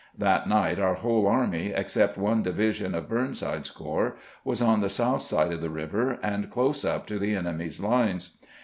That night our whole army, except one division of Burnside's corps, was on the south side of the river and close up to the enemy's lines.